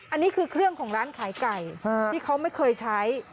อันนี้คือเครื่องของร้านขายไก่ที่เขาไม่เคยใช้